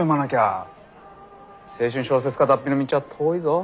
青春小説家脱皮の道は遠いぞ。